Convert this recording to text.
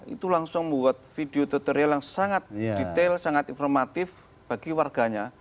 itu langsung membuat video tutorial yang sangat detail sangat informatif bagi warganya